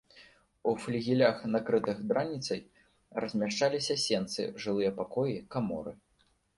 У флігелях, накрытых драніцай, размяшчаліся сенцы, жылыя пакоі, каморы.